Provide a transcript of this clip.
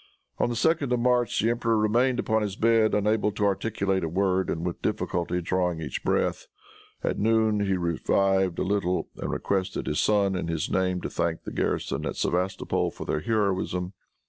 On the 2d of March the emperor remained upon his bed, unable to articulate a word, and with difficulty drawing each breath. At noon he revived a little and requested his son, in his name, to thank the garrison at Sevastopol for their heroism.